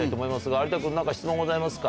有田君何か質問ございますか？